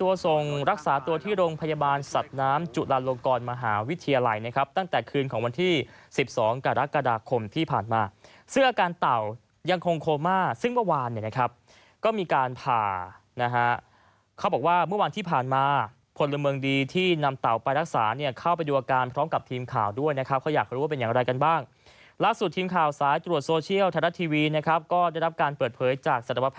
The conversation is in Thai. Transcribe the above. ตรงรักษาตัวที่โรงพยาบาลสัตว์น้ำจุฬาโลกรมหาวิทยาลัยนะครับตั้งแต่คืนของวันที่สิบสองกรกฎาคมที่ผ่านมาซึ่งอาการเต่ายังคงโคมาซึ่งเมื่อวานเนี้ยนะครับก็มีการผ่านะฮะเขาบอกว่าเมื่อวานที่ผ่านมาพลเมืองดีที่นำเต่าไปรักษาเนี้ยเข้าไปดูอาการพร้อมกับทีมข่าวด้วยนะครับเขา